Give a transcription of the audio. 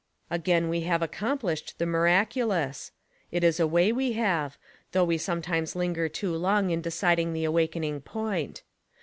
Again we have accomplished the miracu lous. It is a way we have ; though we sometimes linger too long in deciding the awakening point.